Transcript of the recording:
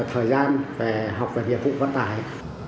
thời gian về học về nhiệm vụ vận tải